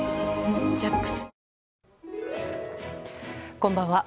こんばんは。